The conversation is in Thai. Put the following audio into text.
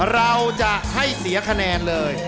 เราจะให้เสียคะแนนเลย